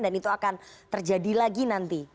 dan itu akan terjadi lagi nanti